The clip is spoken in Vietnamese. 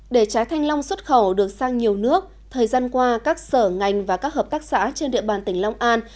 để trái thanh long xuất khẩu được sang nhiều nước thời gian qua các sở ngành và các hợp tác xã trên địa bàn tỉnh long an